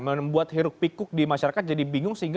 membuat hiruk pikuk di masyarakat jadi bingung